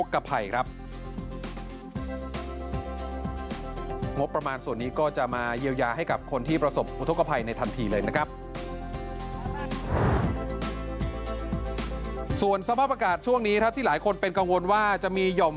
ส่วนสภาพอากาศช่วงนี้ครับที่หลายคนเป็นกังวลว่าจะมีหย่อม